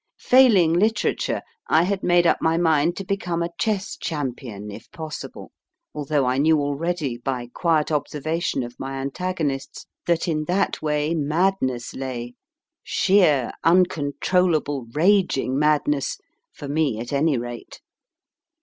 Failing literature, I had made up my mind to become a chess cham pion, if possible, although I knew already by quiet observation of my an tagonists, that in that way madness lay, sheer uncontrollable, raging madness for me at any rate.